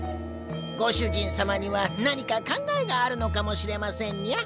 ご主人様には何か考えがあるのかもしれませんニャ。